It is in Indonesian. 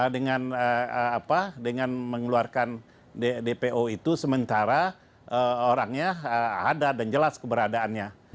dengan apa dengan mengeluarkan dpo itu sementara orangnya hadat dan jelas keberadaannya